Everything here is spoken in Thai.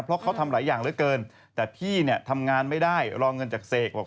เพราะเขาทำหลายอย่างเหลือเกินแต่พี่เนี่ยทำงานไม่ได้รอเงินจากเสกบอก